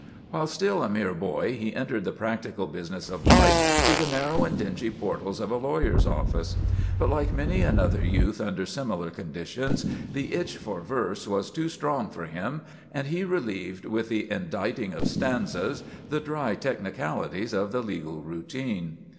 While still a mere boy he entered the practical business of life through the narrow and dingy portals of a lawyer's office; but like many another youth under similar conditions, the itch for verse was too strong for him, and he relieved with the inditing of stanzas the dry technicalities of the legal routine.